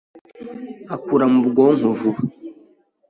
akura Mu bwonko vuba